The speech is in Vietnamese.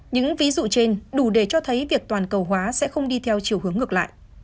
những ví dụ trên đủ để cho thấy việc toàn cầu hóa sẽ không đi theo chiều hướng ngược lại